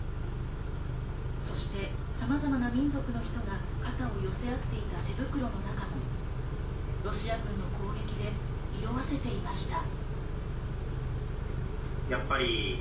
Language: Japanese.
そしてさまざまな民族の人が肩を寄せ合っていたてぶくろの中もロシア軍の攻撃で色あせていました。